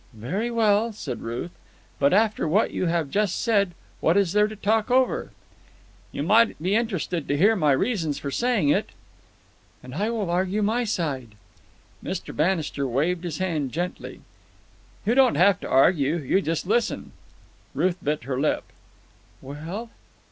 "Very well," said Ruth. "But, after what you have just said, what is there to talk over?" "You might be interested to hear my reasons for saying it." "And I will argue my side." Mr. Bannister waved his hand gently. "You don't have to argue. You just listen." Ruth bit her lip. "Well?"